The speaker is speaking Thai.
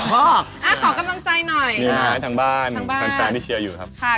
ขอกำลังใจหน่อยนะคะทางบ้านทั้งสามที่เชียร์อยู่ทางบ้าน